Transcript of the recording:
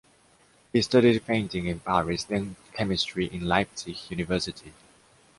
He studied painting in Paris then chemistry in Leipzig University.